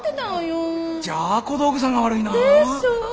じゃあ小道具さんが悪いな。でしょ？